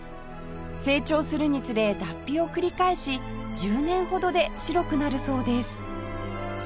成長するにつれ脱皮を繰り返し１０年ほどで白くなるそうです